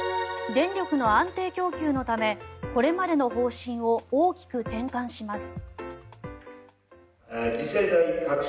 電力の安定供給のためこれまでの方針を大きく転換します。